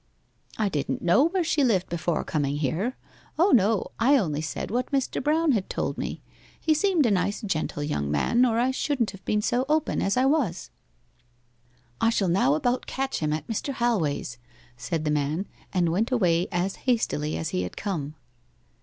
'I didn't know where she lived before coming here. O no I only said what Mr. Brown had told me. He seemed a nice, gentle young man, or I shouldn't have been so open as I was.' 'I shall now about catch him at Mr. Halway's,' said the man, and went away as hastily as he had come.